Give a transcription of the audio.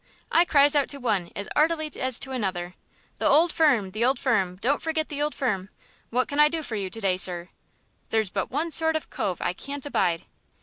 I cries out to one as 'eartily as to another: 'The old firm, the old firm, don't forget the old firm.... What can I do for you to day, sir?' There's but one sort of cove I can't abide."